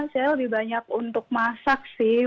saya lebih banyak untuk masak sih